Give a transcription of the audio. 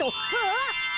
あっ。